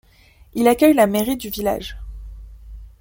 Il accueille la mairie du village.